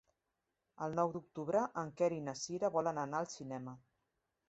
El nou d'octubre en Quer i na Cira volen anar al cinema.